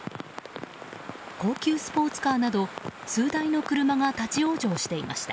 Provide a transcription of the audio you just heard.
高級スポーツカーなど数台の車が立ち往生していました。